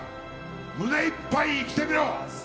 胸いっぱい生きてみろ！